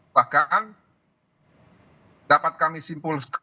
bahkan dapat kami simpulkan